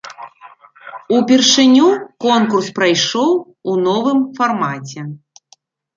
Упершыню конкурс прайшоў у новым фармаце.